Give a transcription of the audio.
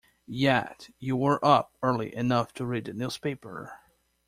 Yet you were up early enough to read the newspaper.